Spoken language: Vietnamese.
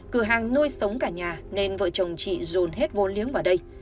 cửa hàng nuôi sống cả nhà